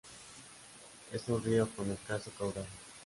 Es un río con escaso caudal.